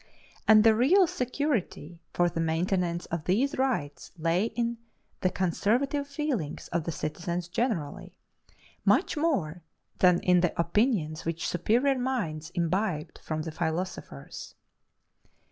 And the real security for the maintenance of these rights lay in the conservative feelings of the citizens generally, much more than in the opinions which superior minds imbibed from the philosophers.